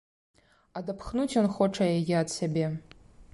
Адапхнуць ён хоча яе ад сябе.